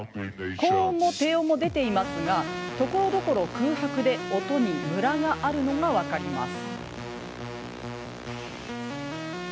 高音も低音も出ていますがところどころ空白で音にムラがあるのが分かります。